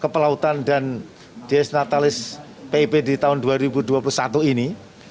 pelautan dan desnatalis pip di tahun dua ribu dua puluh satu ini